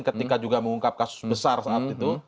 ketika juga mengungkap kasus besar saat itu